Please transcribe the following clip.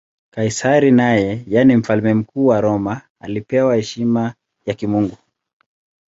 Kaisari naye, yaani Mfalme Mkuu wa Roma, alipewa heshima ya kimungu.